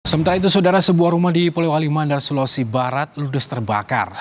sementara itu sebuah rumah di pulau alimandar sulawesi barat ludus terbakar